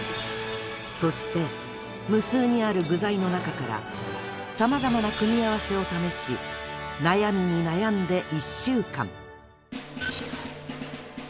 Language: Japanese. そして無数にある具材の中からさまざまな組み合わせを試し悩みに悩んで１週間。